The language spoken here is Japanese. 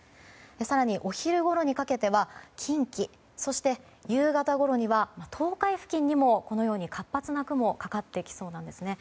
更にお昼ごろにかけては近畿夕方ごろには東海付近にも活発な雲がかかってきそうなんですね。